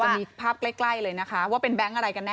มีภาพใกล้เลยนะคะว่าเป็นแบงค์อะไรกันแน